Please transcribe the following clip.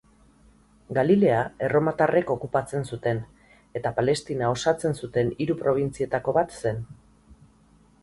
Galilea erromatarrek okupatzen zuten eta Palestina osatzen zuten hiru probintzietako bat zen.